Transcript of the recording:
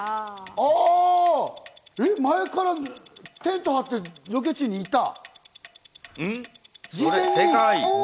前からテントを張ってロケ地にいた。